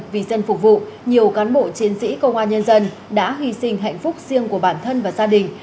vì dân phục vụ nhiều cán bộ chiến sĩ công an nhân dân đã hy sinh hạnh phúc riêng của bản thân và gia đình